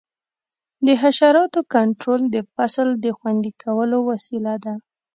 د حشراتو کنټرول د فصل د خوندي کولو وسیله ده.